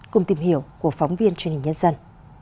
cùng tìm hiểu của phóng viên truyền hình nhân dân